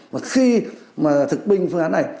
và khi mà thực binh phương án này